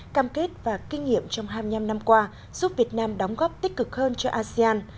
cam kết và kinh nghiệm trong hai mươi năm năm qua giúp việt nam đóng góp tích cực hơn cho asean